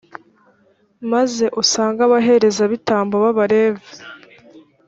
maze usange abaherezabitambo b’abalevi